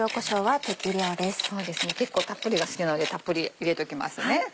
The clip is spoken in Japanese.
結構たっぷりが好きなのでたっぷり入れときますね。